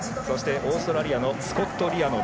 オーストラリアのスコット・リアドン。